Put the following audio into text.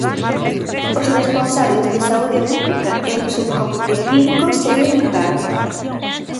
Os responsables de Saúde Pública e un subcomité clínico seguen en garda.